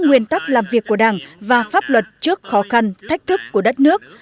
nguyên tắc làm việc của đảng và pháp luật trước khó khăn thách thức của đất nước